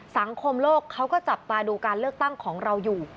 สังคมโลกเขาก็จับตาดูการเลือกตั้งของเราอยู่